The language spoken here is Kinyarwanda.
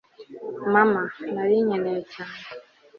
mama, nari nkeneye cyane